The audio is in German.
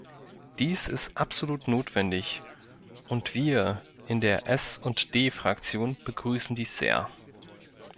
Dies ist absolut notwendig, und wir in der S&D-Fraktion begrüßen dies sehr.